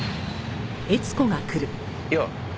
よう！